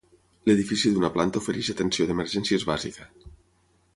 L'edifici d'una planta ofereix atenció d'emergències bàsica.